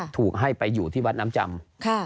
ถูกให้ไปอยู่ที่วัดน้ำจำ